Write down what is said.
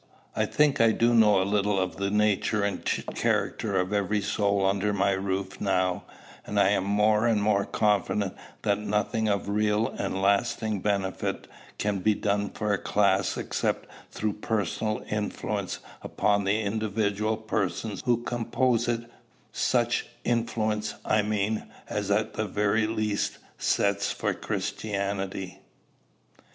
I think I do know a little of the nature and character of every soul under my roof now; and I am more and more confident that nothing of real and lasting benefit can be done for a class except through personal influence upon the individual persons who compose it such influence, I mean, as at the very least sets for Christianity."